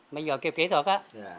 bây giờ kêu kỹ thuật á